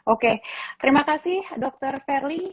oke terima kasih dokter ferly